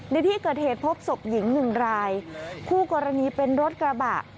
ในที่เกิดเหตุพบศพหญิงหนึ่งรายคู่กรณีเป็นรถกระบะ